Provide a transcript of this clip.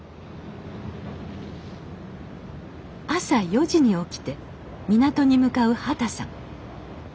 朝４時に起きて港に向かう畑さん。